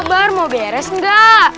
sabar mau beres nggak